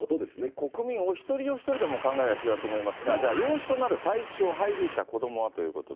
国民お一人お一人でも考えが違うと思いますが、じゃあ、養子となる対象、配偶者、子どもはということで。